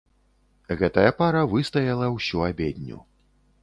Гэтая пара выстаяла ўсю абедню.